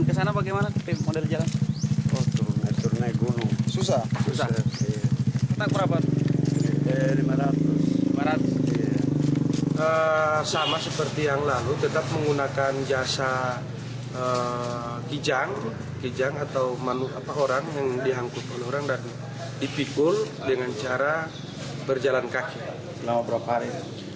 kijang atau manusia yang dihangkuk oleh orang dan dipikul dengan cara berjalan kaki